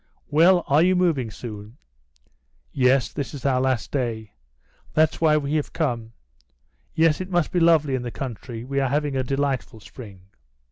"Well, are you moving soon?" "Yes, this is our last day. That's why we have come. Yes, it must be lovely in the country; we are having a delightful spring."